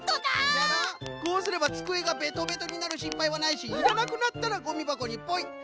こうすればつくえがベトベトになるしんぱいはないしいらなくなったらゴミばこにポイ。